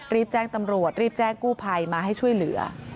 รีบแจ้งตำรวจรีบแจ้งกู้ภัยมาให้ช่วยเหลือ